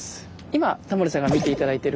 今タモリさんが見て頂いてる